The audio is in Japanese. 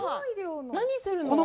何するの？